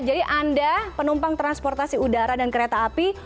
jadi anda penumpang transportasi udara dan kereta api